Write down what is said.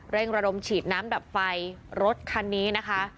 ระดมฉีดน้ำดับไฟรถคันนี้นะคะ